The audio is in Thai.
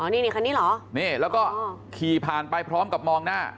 นี่คันนี้เหรอนี่แล้วก็ขี่ผ่านไปพร้อมกับมองหน้า